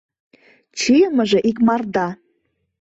Чийымыже икмарда.